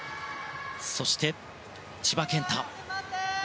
そして、千葉健太。